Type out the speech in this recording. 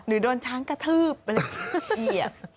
หรือโดนช้างกระทืบอะไรแบบนี้เกลียด